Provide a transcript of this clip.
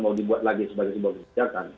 mau dibuat lagi sebagai sebuah kebijakan